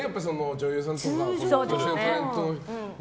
女優さんとか、女性タレント。